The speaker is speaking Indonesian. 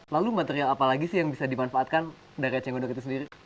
lalu material apa lagi sih yang bisa dimanfaatkan dari eceng gondok itu sendiri